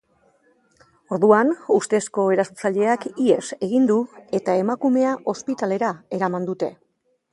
Orduan, ustezko erasotzaileak ihes egin du, eta emakumea ospitalera eraman dute.